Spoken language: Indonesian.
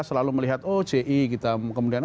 selalu melihat oh ji kita kemudian